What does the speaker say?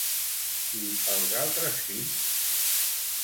I els altres fills?